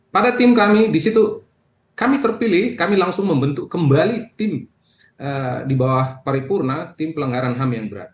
pada tim kami di situ kami terpilih kami langsung membentuk kembali tim di bawah paripurna tim pelanggaran ham yang berat